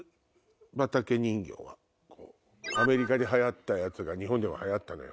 アメリカではやったやつが日本でもはやったのよ。